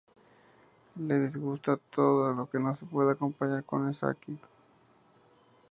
Le disgusta: Todo lo que no se pueda acompañar con Sake.